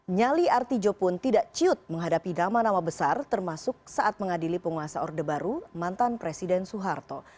nyali artijo pun tidak ciut menghadapi nama nama besar termasuk saat mengadili penguasa orde baru mantan presiden soeharto